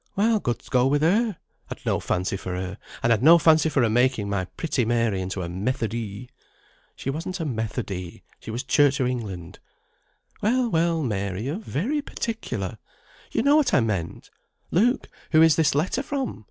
"Well, good go with her. I'd no fancy for her, and I'd no fancy for her making my pretty Mary into a Methodee." "She wasn't a Methodee, she was Church o' England." "Well, well, Mary, you're very particular. You know what I meant. Look, who is this letter from?"